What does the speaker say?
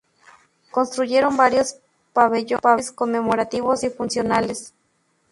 Se construyeron varios pabellones conmemorativos y funcionales.